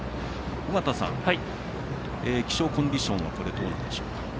尾方さん、気象コンディションはどうなんでしょうか。